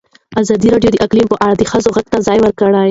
ازادي راډیو د اقلیم په اړه د ښځو غږ ته ځای ورکړی.